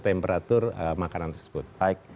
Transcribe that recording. temperatur makanan tersebut